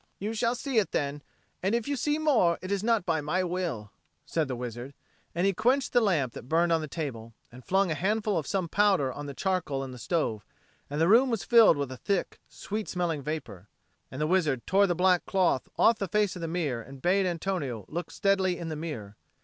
"You shall see it then; and if you see more, it is not by my will," said the wizard; and he quenched the lamp that burned on the table, and flung a handful of some powder on the charcoal in the stove; and the room was filled with a thick sweet smelling vapour. And the wizard tore the black cloth off the face of the mirror and bade Antonio look steadily in the mirror.